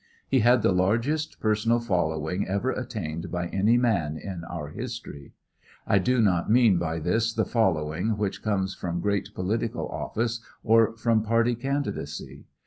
He had the largest personal following ever attained by any man in our history. I do not mean by this the following which comes from great political office or from party candidacy.